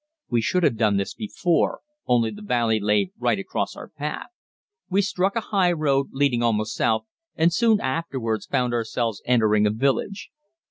We should have done this before, only the valley lay right across our path. We struck a high road leading almost south, and soon afterwards found ourselves entering a village.